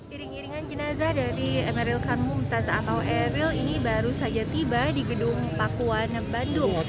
iring iringan jenazah dari emeril khan mumtaz atau eril ini baru saja tiba di gedung pakuan bandung